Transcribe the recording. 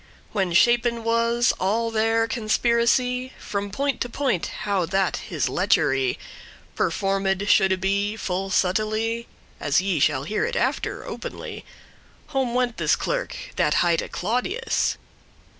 When shapen* was all their conspiracy *arranged From point to point, how that his lechery Performed shoulde be full subtilly, As ye shall hear it after openly, Home went this clerk, that highte Claudius.